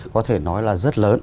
có thể nói là rất lớn